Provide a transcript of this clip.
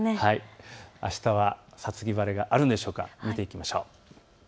あしたは五月晴れがあるのでしょうか、見ていきましょう。